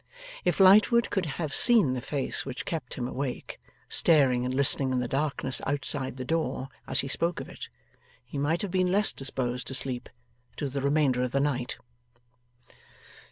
If Lightwood could have seen the face which kept him awake, staring and listening in the darkness outside the door as he spoke of it, he might have been less disposed to sleep, through the remainder of the night.